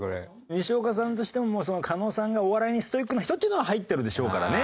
にしおかさんとしても加納さんがお笑いにストイックな人っていうのは入ってるでしょうからね。